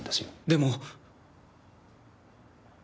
でも。